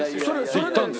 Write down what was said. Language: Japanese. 行ったんです